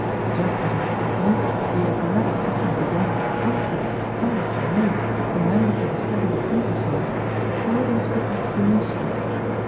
Just as in technique the apparatus often began in a complex, cumbersome way and then became steadily simplified, so it is with explanations.